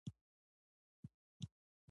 او دا موږ پر عقلاني ارزښتونو ولاړ وي.